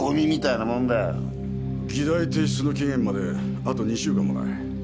議題提出の期限まであと２週間もない。